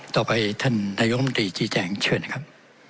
ต่อไปท่านนายกรรมตรีชี้แจงเชิญนะครับ